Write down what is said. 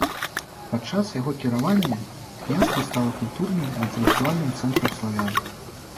Падчас яго кіравання княства стала культурным і інтэлектуальным цэнтрам славян.